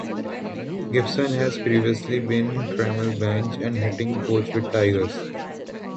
Gibson had previously been Trammell's bench and hitting coach with the Tigers.